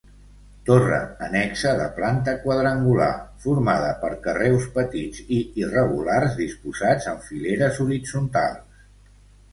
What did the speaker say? Torre annexa de planta quadrangular, formada per carreus petits i irregulars, disposats en fileres horitzontals.